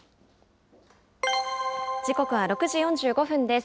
時刻は６時４５分です。